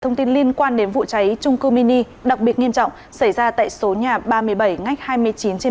thông tin liên quan đến vụ cháy trung cư mini đặc biệt nghiêm trọng xảy ra tại số nhà ba mươi bảy ngách hai mươi chín trên